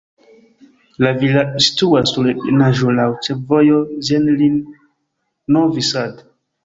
La vilaĝo situas sur ebenaĵo, laŭ ĉefvojo Zrenjanin-Novi Sad.